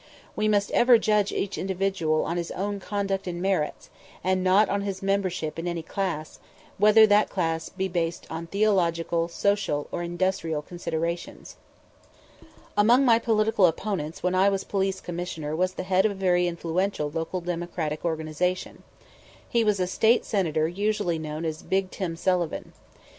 We must ever judge each individual on his own conduct and merits, and not on his membership in any class, whether that class be based on theological, social, or industrial considerations. Among my political opponents when I was Police Commissioner was the head of a very influential local Democratic organization. He was a State Senator usually known as Big Tim Sullivan.